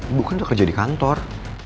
ibu kan udah kerja di kantor